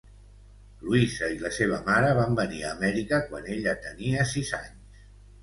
Louisa i la seva mare van venir a Amèrica quan ella tenia sis anys.